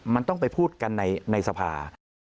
มันต้องไปพูดกันในสภา